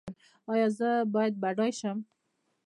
ایا زه باید بډای شم؟